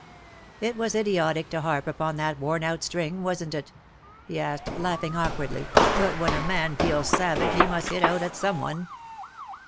It was idiotic to harp upon that worn out string, wasn't it T' he asked, laughing awk wardly; " but when a man feels savage he must hit out at some one.'